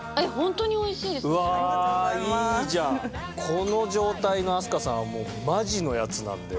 この状態の飛鳥さんはもうマジのやつなんで。